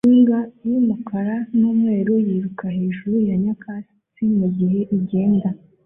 Imbwa y'Umukara n'Umweru yiruka hejuru ya nyakatsi mugihe igenda